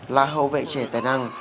là hậu vệ trẻ tài năng